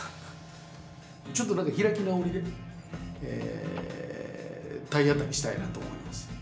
ちょっと何か開き直りで体当たりしたいなと思います。